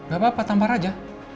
gapapa tampar aja